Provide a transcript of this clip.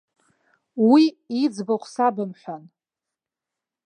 Уи иӡбахә сабымҳәан!